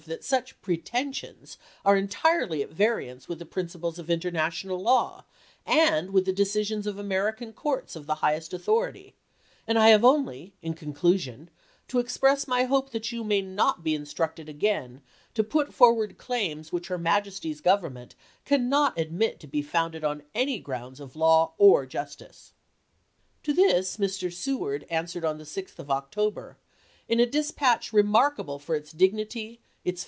x. that such pretensions are entirely at variance with the principles of international law and with the de cisions of American courts of the highest authority, and I have only, in conclusion, to express my hope that you may not be instructed again to put for ward claims which her Majesty's Government can not admit to be founded on any grounds of law or justice." To this Mr. Seward answered on the 6th of Octo ber, in a dispatch remarkable for its dignity, its ises.